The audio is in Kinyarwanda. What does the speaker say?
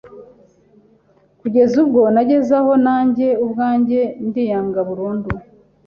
kugeza ubwo nageze aho nanjye ubwanjye ndiyanga burundu